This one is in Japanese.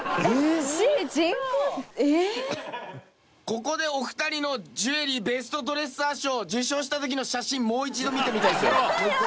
ここでお二人のジュエリーベストドレッサー賞を受賞した時の写真もう一度見てみたいですよ。